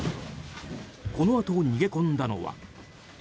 このあと、逃げ込んだのは。